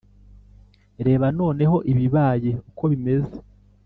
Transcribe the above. reba noneho ibibaye uko bimeze.